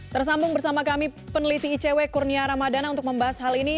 tersambung bersama kami peneliti icw kurnia ramadana untuk membahas hal ini